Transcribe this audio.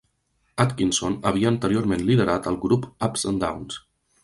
Atkinson havia anteriorment liderat el grup Ups and Downs.